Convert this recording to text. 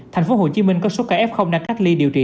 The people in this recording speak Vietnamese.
tp hcm có số ca f đang cách ly điều trị